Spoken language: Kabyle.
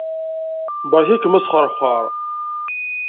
Beṛka-kem asxeṛxeṛ.